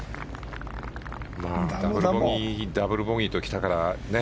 ダブルボギーときたから。